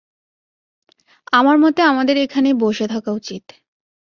আমার মতে আমাদের এখানেই বসে থাকা উচিত।